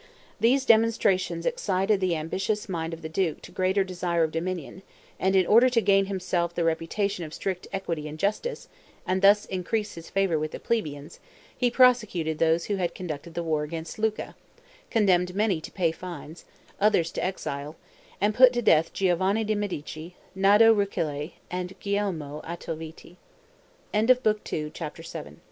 These demonstrations excited the ambitious mind of the duke to greater desire of dominion, and in order to gain himself the reputation of strict equity and justice, and thus increase his favor with the plebeians, he prosecuted those who had conducted the war against Lucca, condemned many to pay fines, others to exile, and put to death Giovanni de' Medici, Naddo Rucellai, and Guglielmo Altoviti. CHAPTER VIII The D